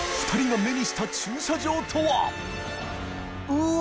うわ！